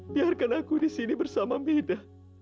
biarkan aku di sini bersama mida